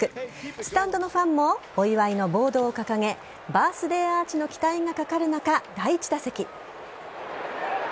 スタンドのファンもお祝いのボードを掲げバースデーアーチの期待がかかる中、第１打席。